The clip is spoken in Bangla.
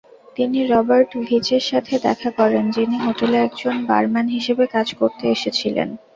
তিনি রবার্ট ভিচের সাথে দেখা করেন যিনি হোটেলে একজন বারম্যান হিসাবে কাজ করতে এসেছিলেন।